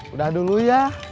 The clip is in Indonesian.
udah dulu ya